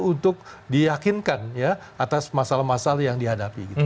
untuk diyakinkan ya atas masalah masalah yang dihadapi